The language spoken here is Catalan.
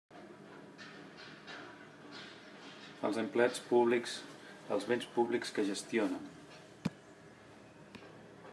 Els empleats públics, els béns públics que gestionen.